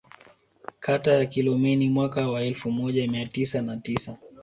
Kata ya Kilomeni mwaka wa elfu moja mia tisa na tisa